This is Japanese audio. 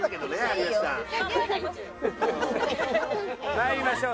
参りましょう。